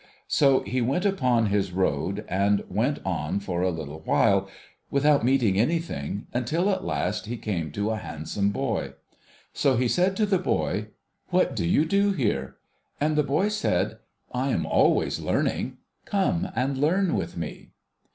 So, he went upon 38 THE CHILD'S STORY his road, and went on for a little while without meeting anything, until at last he came to a handsome boy. .So, he said to the boy, * VVhat do you do here ?' And the boy said, ' I am always learning. Come and learn with me.'